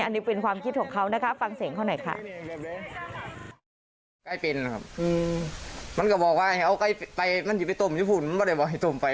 อันนี้เป็นความคิดของเขานะคะฟังเสียงเขาหน่อยค่ะ